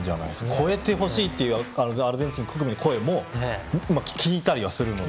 超えてほしいというアルゼンチン国民の声も聞いたりはするので。